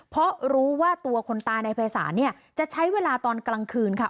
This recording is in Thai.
เพราะรู้ว่าตัวคนตายในภัยศาลเนี่ยจะใช้เวลาตอนกลางคืนค่ะ